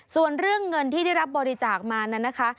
ส่วนเรื่องเงินที่ได้รับบริจาคมานั้นนะคะ